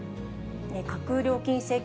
架空料金請求